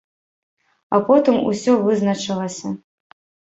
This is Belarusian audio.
А потым усё вызначылася.